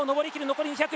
残り２００。